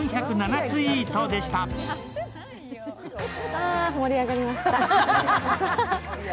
あー、盛り上がりました。